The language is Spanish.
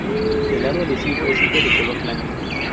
El lado adhesivo es siempre de color blanco.